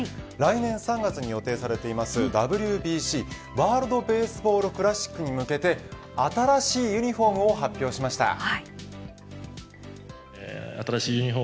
来年３月に予定されているＷＢＣワールドベースボールクラシックに向けて新しいユニホームを発表しました。